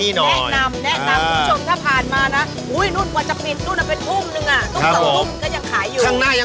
ได้รับเงินรางวัลจากเรา